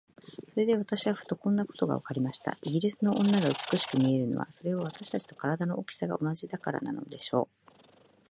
それで私はふと、こんなことがわかりました。イギリスの女が美しく見えるのは、それは私たちと身体の大きさが同じだからなのでしょう。